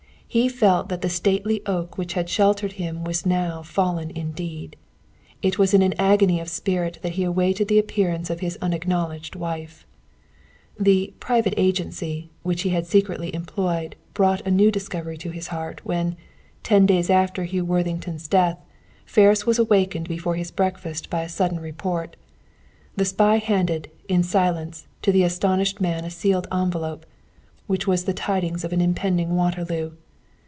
He felt that the stately oak which had sheltered him was now fallen indeed. It was in an agony of spirit that he awaited the appearance of his unacknowledged wife. The "private agency" which he had secretly employed brought a new discovery to his heart, when, ten days after Hugh Worthington's death, Ferris was awakened before his breakfast by a sudden report. The spy handed, in silence, to the astounded man a sealed envelope, which was the tidings of an impending Waterloo.